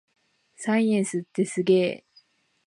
サイエンスってすげぇ